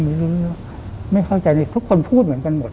ไม่เข้าใจทุกคนพูดเหมือนกันหมด